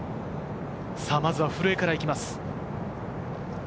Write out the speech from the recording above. まずは古江から行きます。